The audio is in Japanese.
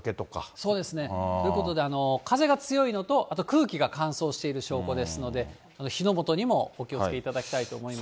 そうですね、ということで、風が強いのと、あと空気が乾燥している証拠ですので、火の元にもお気をつけいただきたいと思います。